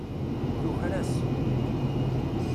Tuker-as.